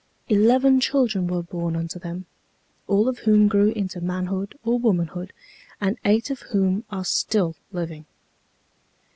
Eleven children were born unto them, all of whom grew into manhood or womanhood, and eight of whom are still living.